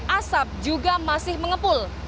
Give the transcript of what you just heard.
asap juga masih mengepul